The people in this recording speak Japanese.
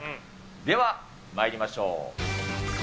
ではまいりましょう。